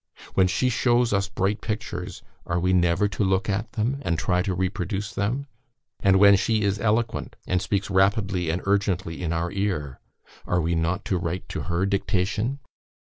When she shows us bright pictures, are we never to look at them, and try to reproduce them? And when she is eloquent, and speaks rapidly and urgently in our ear, are we not to write to her dictation?